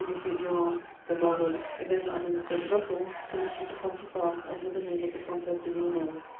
Durand de Moreuil, then our Minister to Brussels, permission to come to France under the name of the Comtesse de Villeneuve.